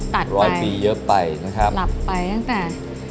ตัดไปหลับไปตั้งแต่